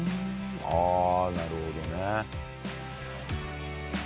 ああなるほどね。